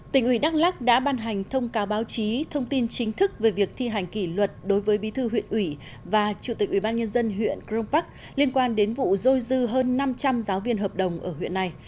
tỉnh ủy đắk lắc đã ban hành thông cáo báo chí thông tin chính thức về việc thi hành kỷ luật đối với bí thư huyện ủy và chủ tịch ubnd huyện cron park liên quan đến vụ dôi dư hơn năm trăm linh giáo viên hợp đồng ở huyện này